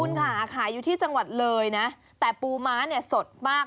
หายอยู่ที่จังหวัดเลยนะแต่ปูม้าสดมาก